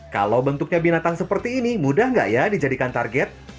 kalau bentuknya binatang seperti ini mudah nggak ya dijadikan target